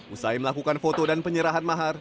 usai melakukan foto dan penyerahan mahar